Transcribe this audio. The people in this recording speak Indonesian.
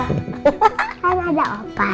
karena ada opa